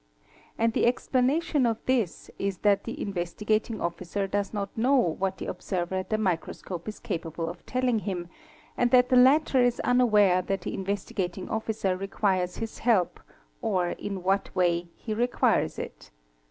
And the explanation of this is that the Investigating Officer does not know what the observer at the microscope is capable of telling him and that the latter is unaware that the Investigating Officer requires his help or in what way he requires it.